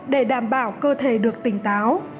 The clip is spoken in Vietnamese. để đảm bảo cơ thể được tỉnh táo